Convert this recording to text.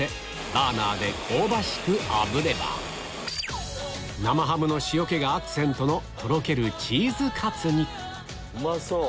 バーナーで香ばしくあぶれば生ハムの塩気がアクセントのとろけるチーズカツにうまそう！